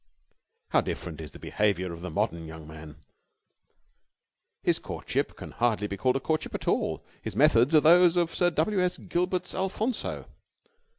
How different is the behaviour of the modern young man. His courtship can hardly be called a courtship at all. His methods are those of Sir W. S. Gilbert's Alphonso.